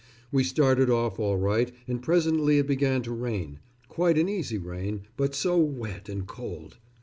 We started off all right and presently it began to rain quite an easy rain, but so wet and cold.